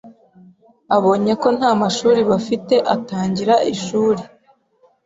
Abonye ko nta mashuri bafite, atangira ishuri.